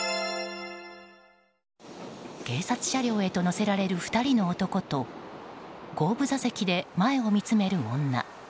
警察車両へと乗せられる２人の男と後部座席で前を見つめる女。